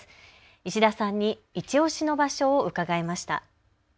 石田さんにいちオシの場所を伺いました。